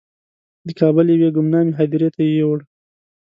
د کابل یوې ګمنامې هدیرې ته یې یووړ.